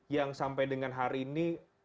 yang sampai dengan hari ini